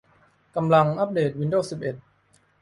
กำลังอัปเดตวินโดวส์สิบเอ็ด